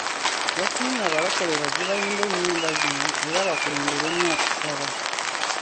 Yasiimye Abalokole bajje bayimbe ennyimba zino era bakulemberemu okusaba.